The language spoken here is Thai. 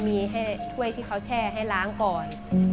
มีให้ถ้วยที่เขาแช่ให้ล้างก่อน